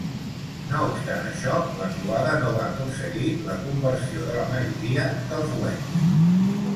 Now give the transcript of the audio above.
No obstant això, la croada no va aconseguir la conversió de la majoria dels wends.